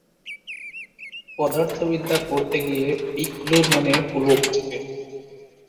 পদার্থবিদ্যা পড়তে গিয়ে পিকলুর মনে পুলক জাগে।